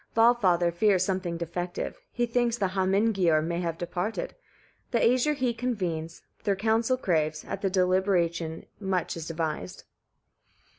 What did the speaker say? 5. Valfather fears something defective; he thinks the Hamingiur may have departed; the Æsir he convenes, their counsel craves: at the deliberation much is devised.